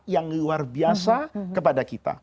yang luar biasa kepada kita